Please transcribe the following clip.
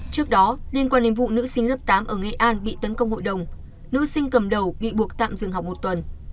trước đó liên quan đến vụ nữ sinh lớp tám ở nghệ an bị tấn công hội đồng nữ sinh cầm đầu bị buộc tạm dừng học một tuần